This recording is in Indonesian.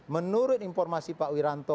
menurut informasi pak wiranto